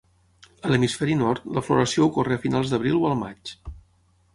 A l'hemisferi nord, la floració ocorre a finals d'abril o al maig.